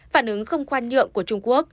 phản ứng không khoan nhượng của trung quốc